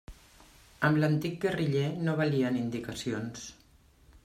Amb l'antic guerriller no valien indicacions.